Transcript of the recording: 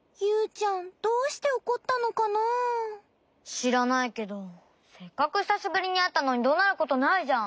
しらないけどせっかくひさしぶりにあったのにどなることないじゃん！